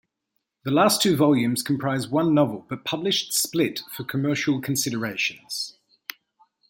The last two volumes comprise one novel, but published split for commercial considerations.